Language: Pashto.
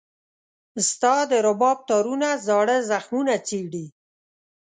ستا د رباب تارونه زاړه زخمونه چېړي.